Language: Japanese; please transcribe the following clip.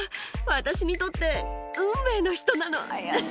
私にとって運命の人なの。